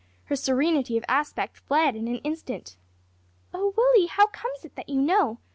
Her serenity of aspect fled in an instant. "Oh, Willie, how comes it that you know?